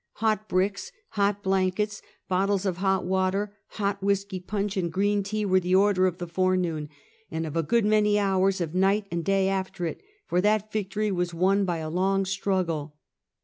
Hot bricks, hot blankets, bot tles of hot water, hot whisky punch and green tea were the order of the forenoon, and of a good many hours of night and day after it; for that victory was won by a long struggle.